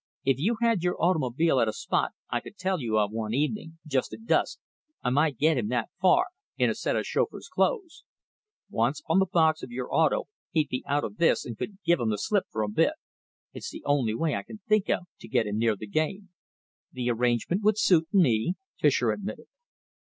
If you had your automobile at a spot I could tell you of one evening, just at dusk, I might get him that far, in a set of chauffeur's clothes. Once on the box of your auto, he'd be out of this and could give 'em the slip for a bit. It's the only way I can think of, to get him near the game." "The arrangement would suit me," Fischer admitted.